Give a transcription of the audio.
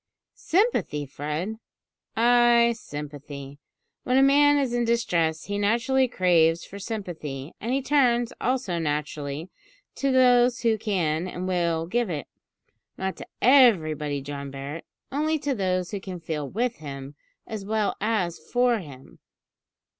"Sympathy, Fred?" "Ay, sympathy. When a man is in distress he naturally craves for sympathy, and he turns, also naturally, to those who can and will give it not to everybody, John Barret only to those who can feel with him as well as for him.